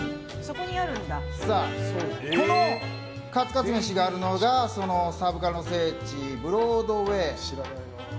このカツカツ飯があるのがサブカルの聖地ブロードウェイ。